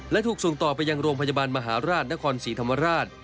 และถูกส่งต่อไปยังโรงพยาบาลมหาราชนครศรีธรรมราช